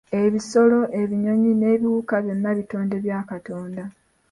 Ebisolo, ebinyonyi n’ebiwuka byonna bitonde bya Katonda.